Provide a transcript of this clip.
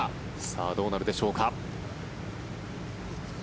さあ、どうなるでしょうか。